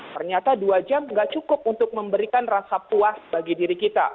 ternyata dua jam nggak cukup untuk memberikan rasa puas bagi diri kita